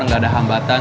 nggak ada hambatan